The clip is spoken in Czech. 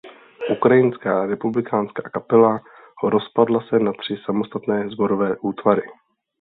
Ukrajinská republikánská kapela rozpadla se na tři samostatné sborové útvary.